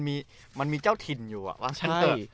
คือมันมีเจ้าทินอยู่อ่ะ